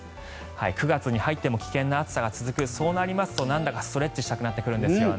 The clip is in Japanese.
９月に入っても危険な暑さが続くそうなりますとなんだかストレッチしたくなってくるんですよね。